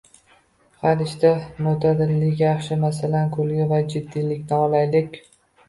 Har ishda mo‘’tadillik yaxshi. Masalan, kulgi va jiddiylikni olaylik.